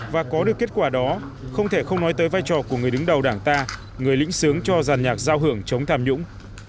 và có được kết quả đó không thể không nói tới vai trò của người đứng đầu đảng ta người lĩnh sướng cho giàn nhạc giao hưởng chống tham nhũng